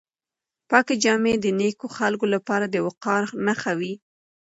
پاکې جامې د نېکو خلکو لپاره د وقار نښه وي.